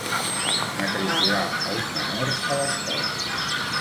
Matricular a un menor a l'escola.